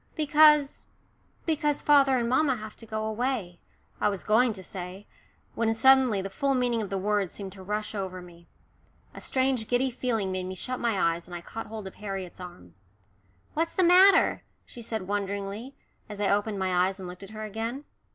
"Because" "because father and mamma have to go away," I was going to say, when suddenly the full meaning of the words seemed to rush over me. A strange giddy feeling made me shut my eyes and I caught hold of Harriet's arm. "What's the matter?" she said wonderingly, as I opened my eyes and looked at her again.